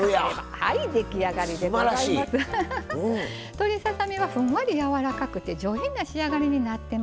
鶏ささ身はふんわりやわらかくて上品な仕上がりになってます。